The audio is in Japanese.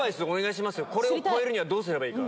これを超えるにはどうすればいいか。